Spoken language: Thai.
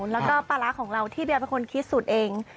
แล้วก็ปลาร้าของเราที่เบียร์เป็นคนคิดสูตรเอง